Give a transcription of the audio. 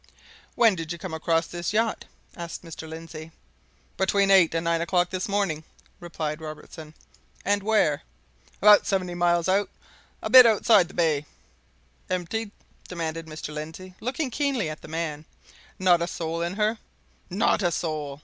"When did you come across this yacht?" asked Mr. Lindsey. "Between eight and nine o'clock this morning," replied Robertson. "And where?" "About seven miles out a bit outside the bay." "Empty?" demanded Mr. Lindsey, looking keenly at the man. "Not a soul in her?" "Not a soul!"